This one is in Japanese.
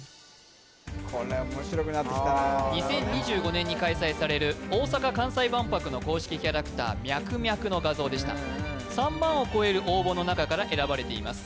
２０２５年に開催される大阪・関西万博の公式キャラクターミャクミャクの画像でした３万を超える応募の中から選ばれています